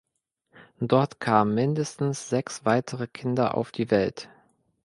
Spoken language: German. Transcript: Dort kamen mindestens sechs weitere Kinder auf die Welt.